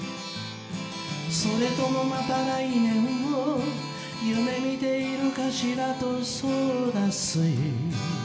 「それともまた来年を夢みているかしらとソーダ水」